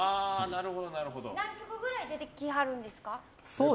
何曲ぐらい出てきはるんですか。